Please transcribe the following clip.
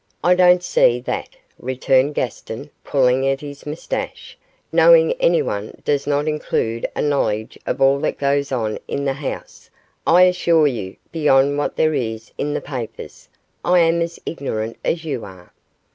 'I don't see that,' returned Gaston, pulling at his moustache, 'knowing anyone does not include a knowledge of all that goes on in the house. I assure you, beyond what there is in the papers, I am as ignorant as you are.